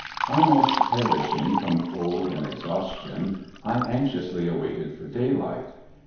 Almost perishing from cold and exhaustion, I anxiously awaited for daylight.